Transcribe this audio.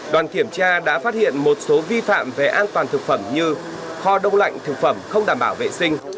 đoàn kiểm tra đã phát hiện một số vi phạm về an toàn thực phẩm như kho đông lạnh thực phẩm không đảm bảo vệ sinh